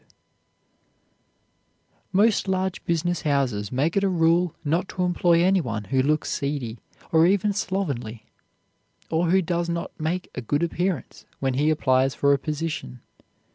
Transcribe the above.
[Illustration: John Wanamaker] Most large business houses make it a rule not to employ anyone who looks seedy, or slovenly, or who does not make a good appearance when he applies for a position.